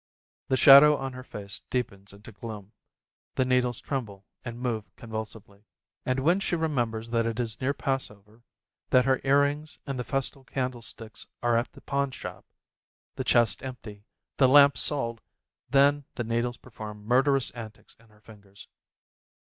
The shadow on her face deepens into gloom, the needles tremble and move convulsively. And when she remembers that it is near Passover, that her ear rings and the festal candlesticks are at the pawnshop, the chest empty, the lamp sold, then the needles perform murderous antics in her fingers.